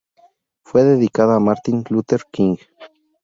Fue dedicada a Martin Luther King.